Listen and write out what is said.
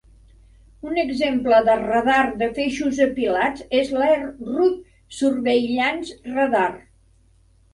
Un exemple de radar de feixos apilats és l'Air Route Surveillance Radar.